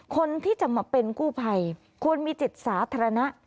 คนที่จะมาเป็นกู้ภัยควรมีจิตสาธารณะ